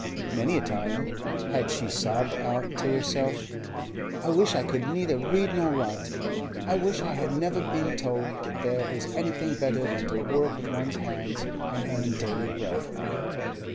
Many a time had she sobbed out to herself, 'I wish I could neither read nor write! I wish I had never been told that there is anything better than to work with one's hands and earn daily bread!